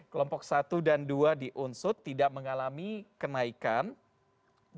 kelompok satu dan dua di unsut tidak mengalami kenaikan